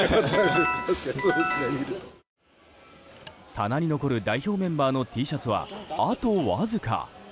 棚に残る代表メンバーのＴシャツはあとわずか。